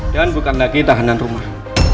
dan bukan lagi tahanan rumah